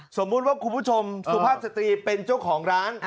สมมุติว่าคุณผู้ชมสุภาพสตรีเป็นเจ้าของร้าน